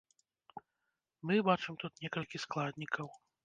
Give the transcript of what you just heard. Мы бачым тут некалькі складнікаў.